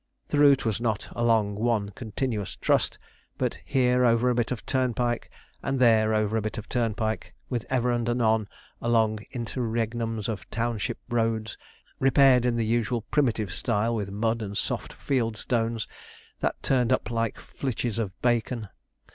The route was not along one continuous trust, but here over a bit of turnpike and there over a bit of turnpike, with ever and anon long interregnums of township roads, repaired in the usual primitive style with mud and soft field stones, that turned up like flitches of bacon.